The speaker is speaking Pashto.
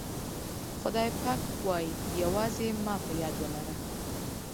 خدای پاک وایي یوازې ما په یاد ولره.